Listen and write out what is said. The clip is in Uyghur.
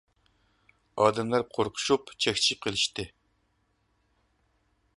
ئادەملەر قورقۇشۇپ چەكچىيىپ قېلىشتى.